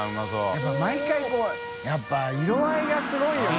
笋辰毎回やっぱ色合いがすごいよね。